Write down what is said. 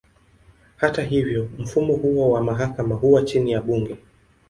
Hata hivyo, mfumo huo wa mahakama huwa chini ya bunge.